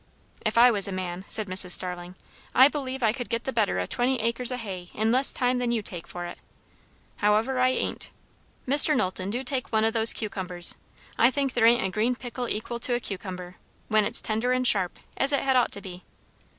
"If I was a man," said Mrs. Starling, "I believe I could get the better o' twenty acres o' hay in less time than you take for it. However, I ain't. Mr. Knowlton, do take one o' those cucumbers. I think there ain't a green pickle equal to a cucumber when it's tender and sharp, as it had ought to be."